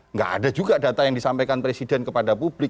nggak ada juga data yang disampaikan presiden kepada publik